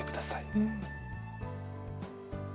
うん。